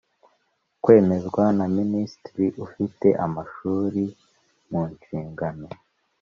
kwemezwa na Minisitiri ufite amashuri munshingano